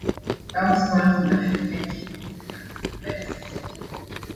Love Sworn to the Future came in seventh place.